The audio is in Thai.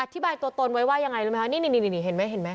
อธิบายตัวตนไว้ว่ายังไงเลยไหมคะนี่เห็นไหม